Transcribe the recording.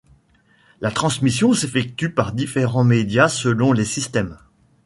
La transmission s'effectue par différents médias selon les systèmes.